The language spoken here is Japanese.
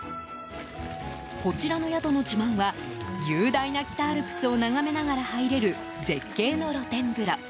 こちらの宿の自慢は、雄大な北アルプスを眺めながら入れる絶景の露天風呂。